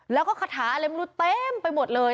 แล้วก็คาถาอะไรไม่รู้เต็มไปหมดเลย